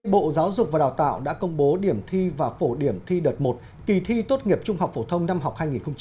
bộ giáo dục và đào tạo đã công bố điểm thi và phổ điểm thi đợt một kỳ thi tốt nghiệp trung học phổ thông năm học hai nghìn hai mươi